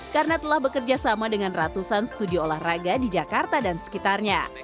karena telah bekerja sama dengan ratusan studio olahraga di jakarta dan sekitarnya